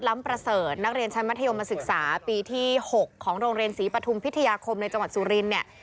มาศึกษาปีที่๖ของโรงเรียนศรีปฐุมพิธยาคมในจังหวัดสุรินเนี่ย